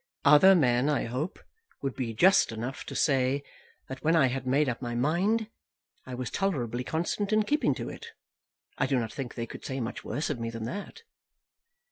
"Other men, I hope, would be just enough to say, that when I had made up my mind, I was tolerably constant in keeping to it. I do not think they could say much worse of me than that."